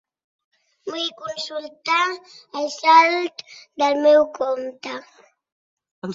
Vull consultar el saldo del meu compte.